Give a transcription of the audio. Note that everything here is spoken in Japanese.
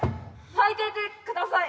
巻いていてください。